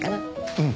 うん。